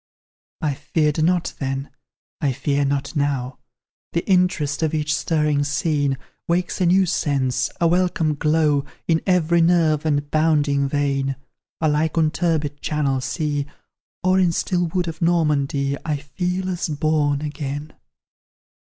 I feared not then I fear not now; The interest of each stirring scene Wakes a new sense, a welcome glow, In every nerve and bounding vein; Alike on turbid Channel sea, Or in still wood of Normandy, I feel as born again.